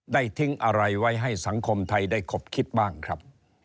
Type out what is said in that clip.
ทิ้งอะไรไว้ให้สังคมไทยได้ขบคิดบ้างครับ